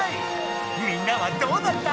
みんなはどうだった？